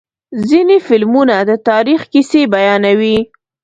ځینې فلمونه د تاریخ کیسې بیانوي.